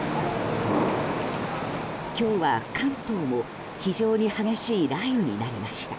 今日は関東も非常に激しい雷雨になりました。